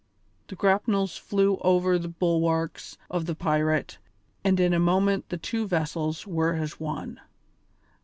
The grapnels flew over the bulwarks of the pirate, and in a moment the two vessels were as one.